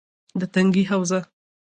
- د تنگي حوزه: